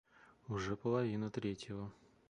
Уже половина третьего.